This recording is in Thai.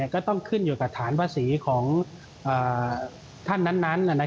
ก็ต้องขึ้นอยู่กับฐานภาษีของท่านนั้น